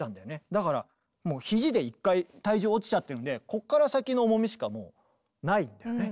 だからもう肘で一回体重落ちちゃってるんでここから先の重みしかもうないんだよね。